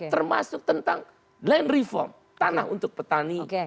termasuk tentang land reform tanah untuk petani